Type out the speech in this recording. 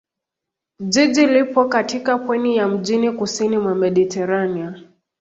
Jiji lipo katika pwani ya mjini kusini mwa Mediteranea.